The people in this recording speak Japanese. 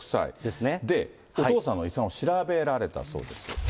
で、お父さんの遺産を調べられたそうです。